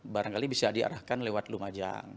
barangkali bisa diarahkan lewat lumajang